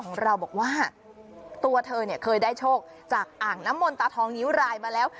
ของเราบอกว่าตัวเธอเนี่ยเคยได้โชคจากอ่างน้ำมนตาทองนิ้วรายมาแล้ว